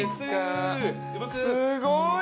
すごい！